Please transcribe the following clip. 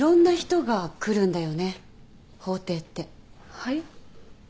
はい？